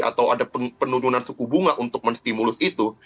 atau ada penurunan suku bunga untuk menstimulus itu